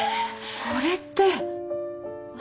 これって。